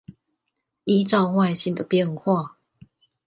依照外形的變化